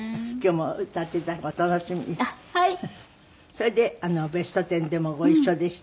それで『ベストテン』でもご一緒でしたし。